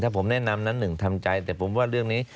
ผมแนะนำนั้นหนึ่งทำใจแต่ผมว่าเรื่องนี้